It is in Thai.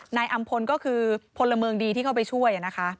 นายอำพลก็คือพลเมืองดีที่เข้าไปช่วยนะคะ